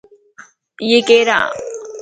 ايي ڪيران؟